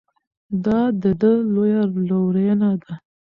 دا د ده لویه لورینه ده.